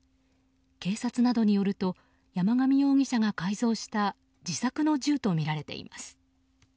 警察などによると山上容疑者が改造した自作の銃とみられています。